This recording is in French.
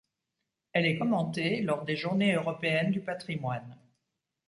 Elle est commentée lors des Journées européennes du patrimoine.